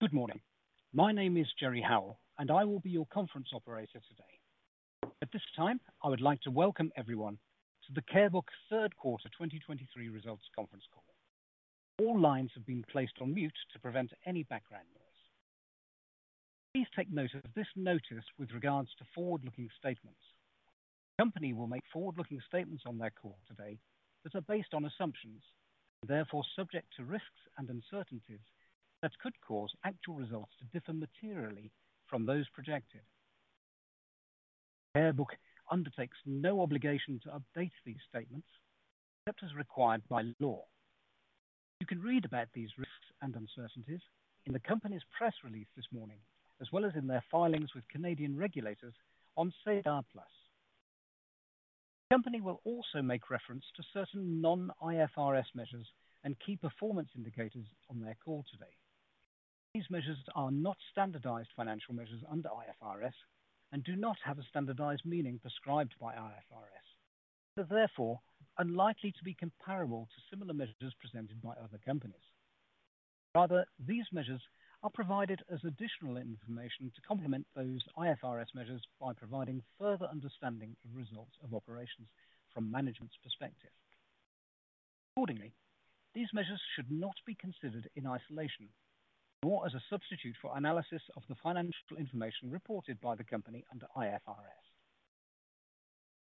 Good morning. My name is Jerry Howell, and I will be your conference operator today. At this time, I would like to welcome everyone to the Carebook Third Quarter 2023 Results Conference Call. All lines have been placed on mute to prevent any background noise. Please take note of this notice with regards to forward-looking statements. The company will make forward-looking statements on their call today that are based on assumptions, therefore subject to risks and uncertainties that could cause actual results to differ materially from those projected. Carebook undertakes no obligation to update these statements, except as required by law. You can read about these risks and uncertainties in the company's press release this morning, as well as in their filings with Canadian regulators on SEDAR+. The company will also make reference to certain non-IFRS measures and key performance indicators on their call today. These measures are not standardized financial measures under IFRS and do not have a standardized meaning prescribed by IFRS. They're therefore unlikely to be comparable to similar measures presented by other companies. Rather, these measures are provided as additional information to complement those IFRS measures by providing further understanding of results of operations from management's perspective. Accordingly, these measures should not be considered in isolation or as a substitute for analysis of the financial information reported by the company under IFRS.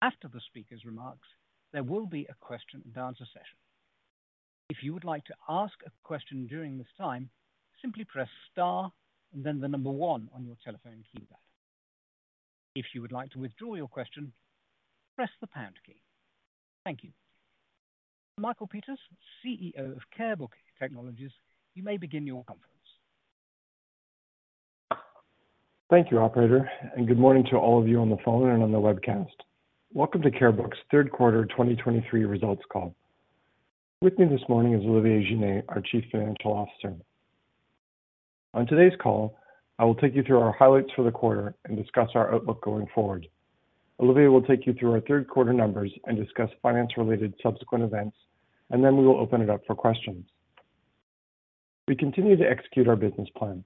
After the speaker's remarks, there will be a question and answer session. If you would like to ask a question during this time, simply press star and then the number one on your telephone keypad. If you would like to withdraw your question, press the pound key. Thank you. Michael Peters, CEO of Carebook Technologies, you may begin your conference. Thank you, operator, and good morning to all of you on the phone and on the webcast. Welcome to Carebook's Third Quarter 2023 Results Call. With me this morning is Olivier Giner, our Chief Financial Officer. On today's call, I will take you through our highlights for the quarter and discuss our outlook going forward. Olivier will take you through our third quarter numbers and discuss finance-related subsequent events, and then we will open it up for questions. We continue to execute our business plan.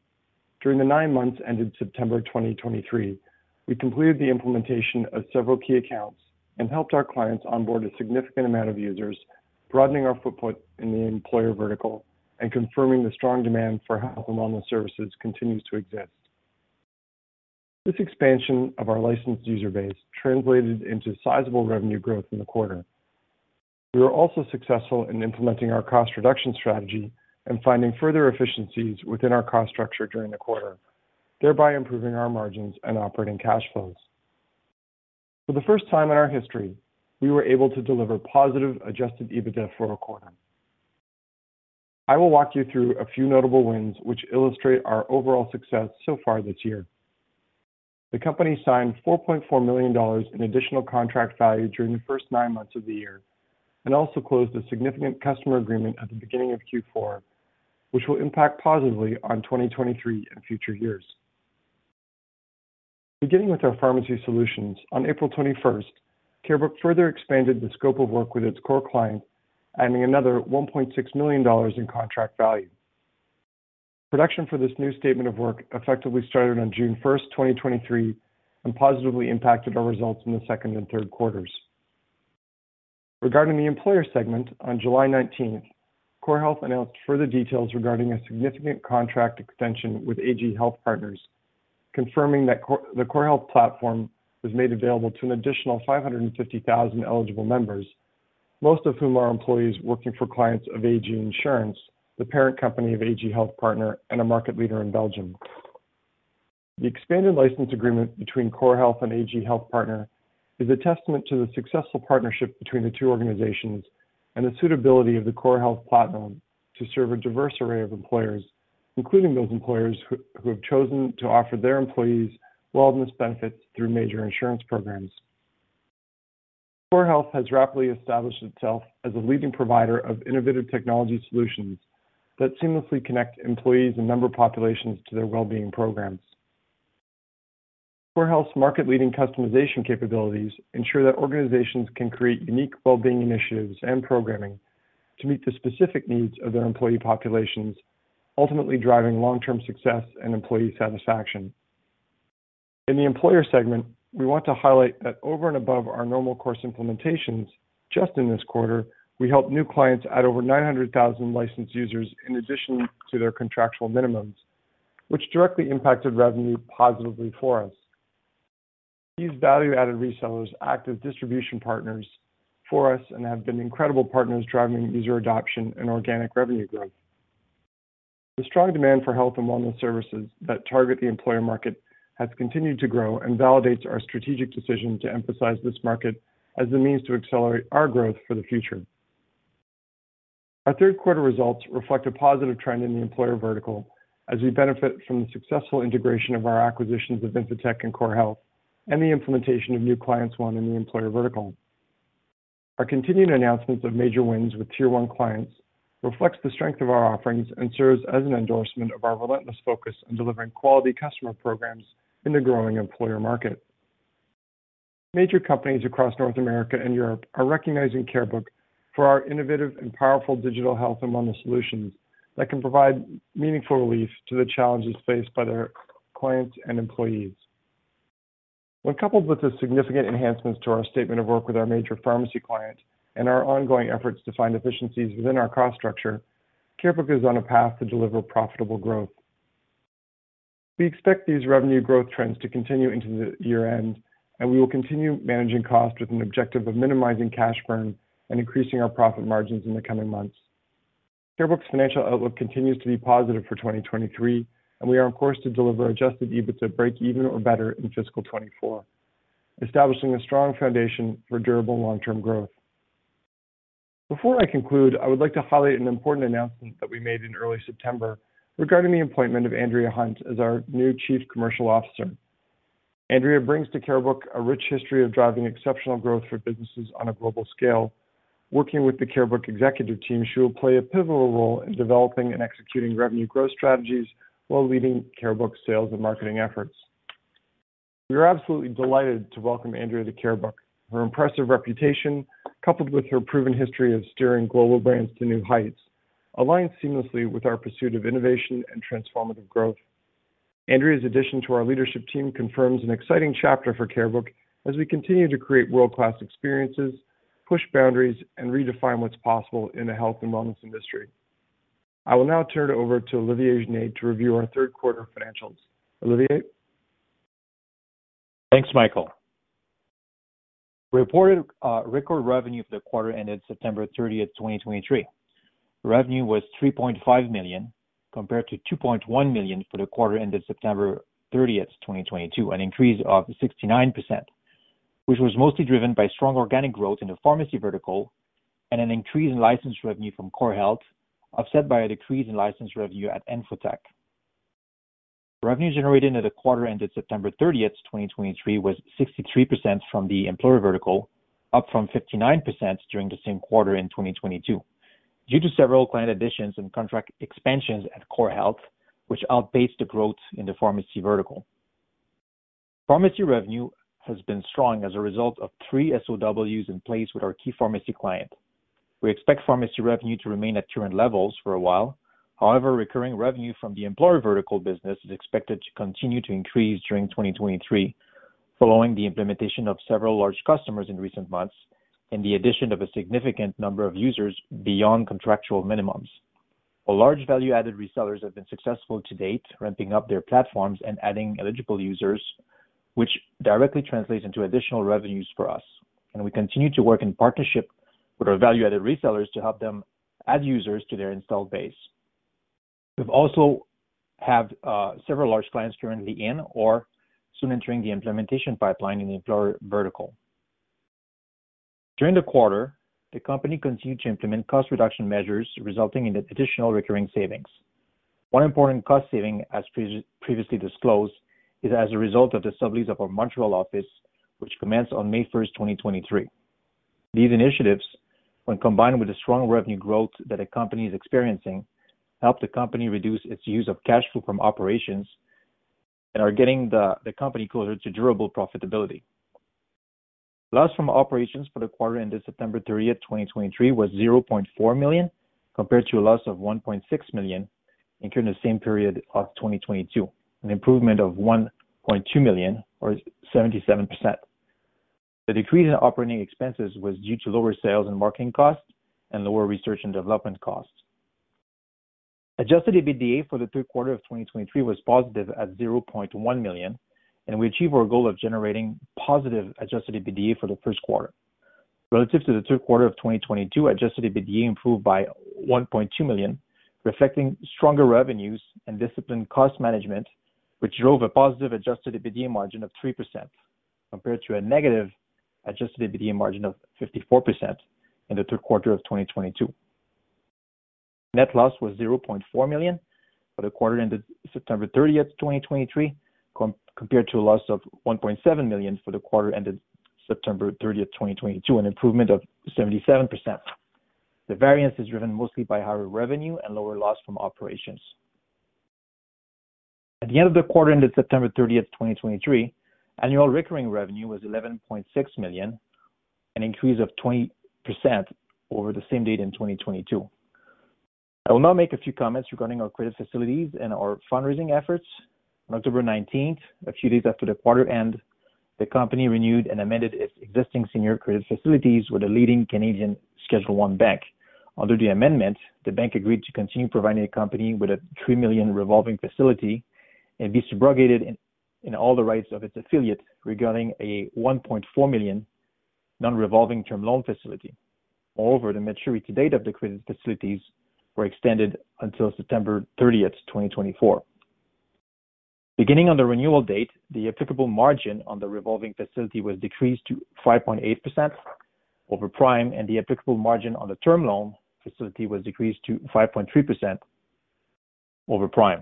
During the 9 months ended September 2023, we completed the implementation of several key accounts and helped our clients onboard a significant amount of users, broadening our footprint in the employer vertical and confirming the strong demand for health and wellness services continues to exist. This expansion of our licensed user base translated into sizable revenue growth in the quarter. We were also successful in implementing our cost reduction strategy and finding further efficiencies within our cost structure during the quarter, thereby improving our margins and operating cash flows. For the first time in our history, we were able to deliver positive Adjusted EBITDA for a quarter. I will walk you through a few notable wins which illustrate our overall success so far this year. The company signed 4.4 million dollars in additional contract value during the first nine months of the year, and also closed a significant customer agreement at the beginning of Q4, which will impact positively on 2023 and future years. Beginning with our pharmacy solutions, on April 21st, Carebook further expanded the scope of work with its core client, adding another 1.6 million dollars in contract value. Production for this new statement of work effectively started on June 1, 2023, and positively impacted our results in the second and third quarters. Regarding the employer segment, on July 19, CoreHealth announced further details regarding a significant contract extension with AG Health Partner, confirming that the CoreHealth platform was made available to an additional 550,000 eligible members, most of whom are employees working for clients of AG Insurance, the parent company of AG Health Partner and a market leader in Belgium. The expanded license agreement between CoreHealth and AG Health Partner is a testament to the successful partnership between the two organizations and the suitability of the CoreHealth platform to serve a diverse array of employers, including those employers who have chosen to offer their employees wellness benefits through major insurance programs. CoreHealth has rapidly established itself as a leading provider of innovative technology solutions that seamlessly connect employees and member populations to their well-being programs. CoreHealth's market-leading customization capabilities ensure that organizations can create unique well-being initiatives and programming to meet the specific needs of their employee populations, ultimately driving long-term success and employee satisfaction. In the employer segment, we want to highlight that over and above our normal course implementations, just in this quarter, we helped new clients add over 900,000 licensed users in addition to their contractual minimums, which directly impacted revenue positively for us. These value-added resellers act as distribution partners for us and have been incredible partners driving user adoption and organic revenue growth. The strong demand for health and wellness services that target the employer market has continued to grow and validates our strategic decision to emphasize this market as a means to accelerate our growth for the future. Our third quarter results reflect a positive trend in the employer vertical as we benefit from the successful integration of our acquisitions of InfoTech and CoreHealth and the implementation of new clients won in the employer vertical. Our continuing announcements of major wins with tier one clients reflects the strength of our offerings and serves as an endorsement of our relentless focus on delivering quality customer programs in the growing employer market. Major companies across North America and Europe are recognizing Carebook for our innovative and powerful digital health and wellness solutions that can provide meaningful relief to the challenges faced by their clients and employees. When coupled with the significant enhancements to our Statement of Work with our major pharmacy client and our ongoing efforts to find efficiencies within our cost structure, Carebook is on a path to deliver profitable growth. We expect these revenue growth trends to continue into the year-end, and we will continue managing costs with an objective of minimizing cash burn and increasing our profit margins in the coming months. Carebook's financial outlook continues to be positive for 2023, and we are on course to deliver Adjusted EBITDA break even or better in fiscal 2024, establishing a strong foundation for durable long-term growth. Before I conclude, I would like to highlight an important announcement that we made in early September regarding the appointment of Andrea Hunt as our new Chief Commercial Officer. Andrea brings to Carebook a rich history of driving exceptional growth for businesses on a global scale. Working with the Carebook executive team, she will play a pivotal role in developing and executing revenue growth strategies while leading Carebook's sales and marketing efforts. We are absolutely delighted to welcome Andrea to Carebook. Her impressive reputation, coupled with her proven history of steering global brands to new heights, aligns seamlessly with our pursuit of innovation and transformative growth. Andrea's addition to our leadership team confirms an exciting chapter for Carebook as we continue to create world-class experiences, push boundaries and redefine what's possible in the health and wellness industry. I will now turn it over to Olivier Giner to review our third quarter financials. Olivier? Thanks, Michael. Reported record revenue for the quarter ended September 30, 2023. Revenue was 3.5 million, compared to 2.1 million for the quarter ended September 30, 2022, an increase of 69%, which was mostly driven by strong organic growth in the pharmacy vertical and an increase in license revenue from CoreHealth, offset by a decrease in license revenue at InfoTech. Revenue generated at the quarter ended September 30, 2023, was 63% from the employer vertical, up from 59% during the same quarter in 2022. Due to several client additions and contract expansions at CoreHealth, which outpaced the growth in the pharmacy vertical. Pharmacy revenue has been strong as a result of three SOWs in place with our key pharmacy client. We expect pharmacy revenue to remain at current levels for a while. However, recurring revenue from the employer vertical business is expected to continue to increase during 2023, following the implementation of several large customers in recent months and the addition of a significant number of users beyond contractual minimums. Our large value-added resellers have been successful to date, ramping up their platforms and adding eligible users, which directly translates into additional revenues for us, and we continue to work in partnership with our value-added resellers to help them add users to their installed base. We also have several large clients currently in or soon entering the implementation pipeline in the employer vertical. During the quarter, the company continued to implement cost reduction measures, resulting in additional recurring savings. One important cost saving, as previously disclosed, is as a result of the sublease of our Montreal office, which commenced on May 1, 2023. These initiatives, when combined with the strong revenue growth that a company is experiencing, help the company reduce its use of cash flow from operations and are getting the company closer to durable profitability. Loss from operations for the quarter ended September 30, 2023, was 0.4 million, compared to a loss of 1.6 million during the same period of 2022, an improvement of 1.2 million or 77%. The decrease in operating expenses was due to lower sales and marketing costs and lower research and development costs. Adjusted EBITDA for the third quarter of 2023 was positive at 0.1 million, and we achieved our goal of generating positive adjusted EBITDA for the first quarter. Relative to the third quarter of 2022, adjusted EBITDA improved by 1.2 million, reflecting stronger revenues and disciplined cost management, which drove a positive adjusted EBITDA margin of 3%, compared to a negative adjusted EBITDA margin of 54% in the third quarter of 2022. Net loss was 0.4 million for the quarter ended September 30, 2023, compared to a loss of 1.7 million for the quarter ended September 30, 2022, an improvement of 77%. The variance is driven mostly by higher revenue and lower loss from operations. At the end of the quarter ended September 30, 2023, annual recurring revenue was 11.6 million, an increase of 20% over the same date in 2022. I will now make a few comments regarding our credit facilities and our fundraising efforts. On October 19th, a few days after the quarter end, the company renewed and amended its existing senior credit facilities with a leading Canadian Schedule I bank. Under the amendment, the bank agreed to continue providing the company with a 3 million revolving facility and be subrogated in all the rights of its affiliates regarding a 1.4 million non-revolving term loan facility. Moreover, the maturity date of the credit facilities were extended until September 30th, 2024. Beginning on the renewal date, the applicable margin on the revolving facility was decreased to 5.8% over prime, and the applicable margin on the term loan facility was decreased to 5.3% over prime.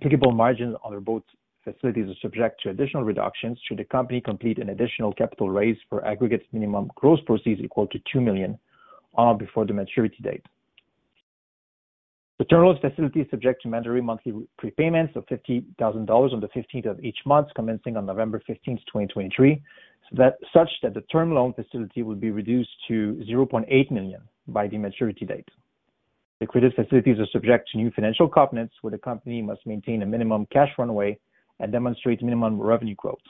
Applicable margins on both facilities are subject to additional reductions should the company complete an additional capital raise for aggregates minimum gross proceeds equal to 2 million on or before the maturity date. The term loan facility is subject to mandatory monthly prepayments of 50,000 dollars on the 15th of each month, commencing on November 15, 2023. So that, such that the term loan facility will be reduced to 0.8 million by the maturity date. The credit facilities are subject to new financial covenants, where the company must maintain a minimum cash runway and demonstrate minimum revenue growth.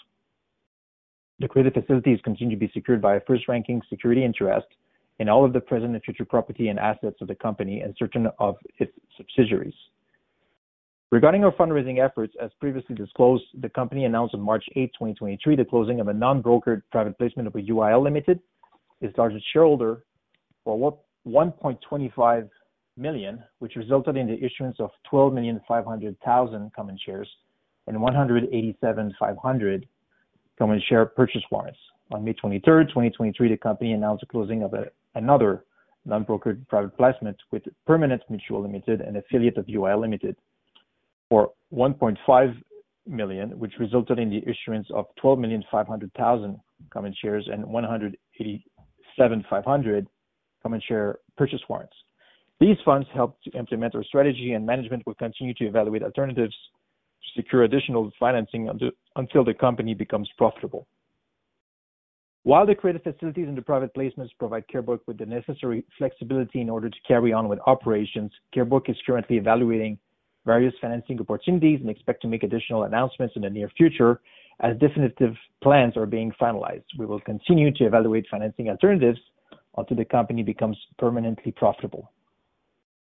The credit facilities continue to be secured by a first-ranking security interest in all of the present and future property and assets of the company and certain of its subsidiaries. Regarding our fundraising efforts, as previously disclosed, the company announced on March 8, 2023, the closing of a non-brokered private placement of UIL Limited, its largest shareholder, for 1.25 million, which resulted in the issuance of 12,500,000 common shares and 187,500 common share purchase warrants. On May 23, 2023, the company announced the closing of another non-brokered private placement with Permanent Mutual Limited, an affiliate of UIL Limited, for 1.5 million, which resulted in the issuance of 12,500,000 common shares and 187,500 common share purchase warrants. These funds help to implement our strategy, and management will continue to evaluate alternatives to secure additional financing until the company becomes profitable. While the creative facilities in the private placements provide Carebook with the necessary flexibility in order to carry on with operations, Carebook is currently evaluating various financing opportunities and expect to make additional announcements in the near future as definitive plans are being finalized. We will continue to evaluate financing alternatives until the company becomes permanently profitable.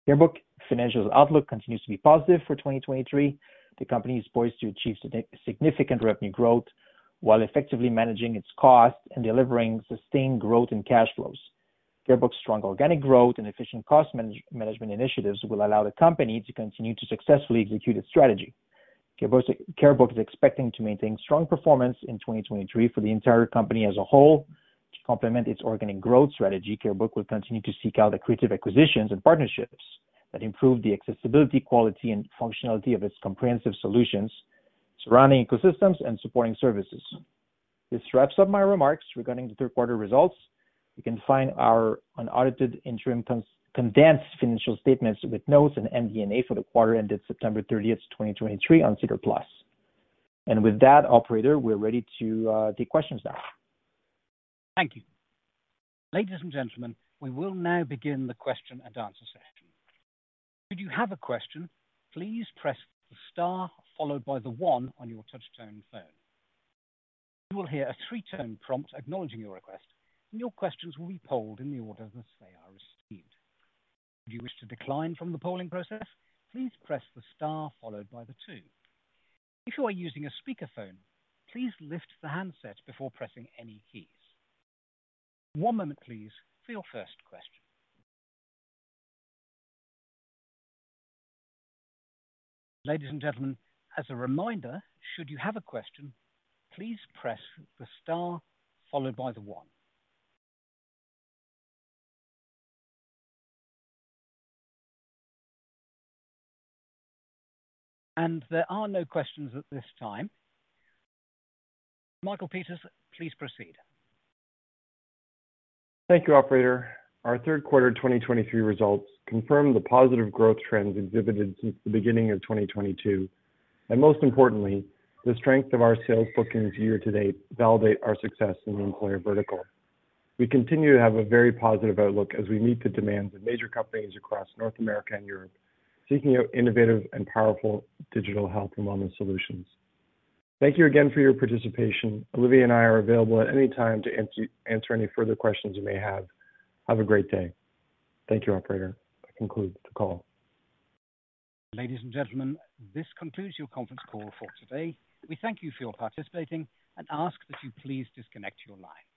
Carebook's financial outlook continues to be positive for 2023. The company is poised to achieve significant revenue growth while effectively managing its costs and delivering sustained growth in cash flows. Carebook's strong organic growth and efficient cost management initiatives will allow the company to continue to successfully execute its strategy. Carebook is expecting to maintain strong performance in 2023 for the entire company as a whole. To complement its organic growth strategy, Carebook will continue to seek out accretive acquisitions and partnerships that improve the accessibility, quality, and functionality of its comprehensive solutions, surrounding ecosystems and supporting services. This wraps up my remarks regarding the third quarter results. You can find our unaudited, interim condensed financial statements with notes and MD&A for the quarter ended September 30th, 2023, on SEDAR+. And with that, operator, we're ready to take questions now. Thank you. Ladies and gentlemen, we will now begin the question and answer session. Should you have a question, please press the star followed by the one on your touchtone phone. You will hear a three-tone prompt acknowledging your request, and your questions will be polled in the order as they are received. If you wish to decline from the polling process, please press the star followed by the two. If you are using a speakerphone, please lift the handset before pressing any keys. One moment, please, for your first question. Ladies and gentlemen, as a reminder, should you have a question, please press the star followed by the one. There are no questions at this time. Michael Peters, please proceed. Thank you, operator. Our third quarter 2023 results confirm the positive growth trends exhibited since the beginning of 2022, and most importantly, the strength of our sales bookings year to date validate our success in the employer vertical. We continue to have a very positive outlook as we meet the demands of major companies across North America and Europe, seeking out innovative and powerful digital health and wellness solutions. Thank you again for your participation. Olivier and I are available at any time to answer any further questions you may have. Have a great day. Thank you, operator. I conclude the call. Ladies and gentlemen, this concludes your conference call for today. We thank you for your participation and ask that you please disconnect your lines.